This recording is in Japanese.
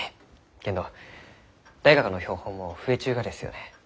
けんど大学の標本も増えちゅうがですよね？